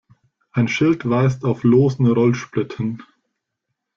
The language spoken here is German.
Ein Schild weist auf losen Rollsplitt hin.